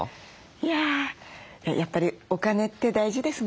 いややっぱりお金って大事ですもんね。